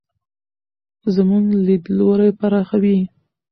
زموږ لیدلوری پراخوي.